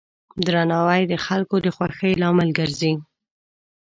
درناوی د خلکو د خوښۍ لامل ګرځي.